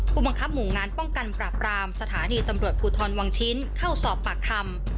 ผู้บังคับหมู่งานป้องกันปราบรามสถานีตำรวจภูทรวังชิ้นเข้าสอบปากคำ